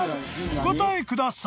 お答えください］